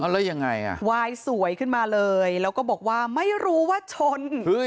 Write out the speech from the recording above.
แล้วยังไงอ่ะวายสวยขึ้นมาเลยแล้วก็บอกว่าไม่รู้ว่าชน